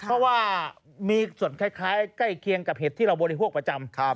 เพราะว่ามีส่วนคล้ายใกล้เคียงกับเห็ดที่เราบริโภคประจำ